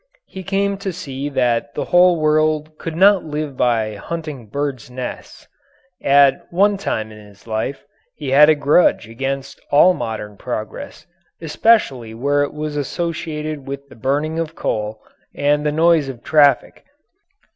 He came to see that the whole world could not live by hunting birds' nests. At one time in his life, he had a grudge against all modern progress, especially where it was associated with the burning of coal and the noise of traffic.